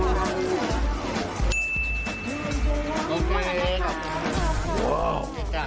หัวในอย่างน้อยตอนนี้หัวในก็เอาเมื่อก่อน